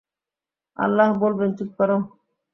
আল্লাহ বলবেনঃ চুপ কর!